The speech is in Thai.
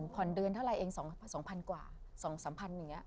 ผ่อนเดือนเท่าไหร่เอง๒พันกว่า๒๓พัน